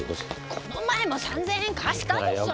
この前も３０００円貸したでしょ！？